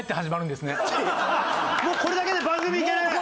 もうこれだけで番組いける？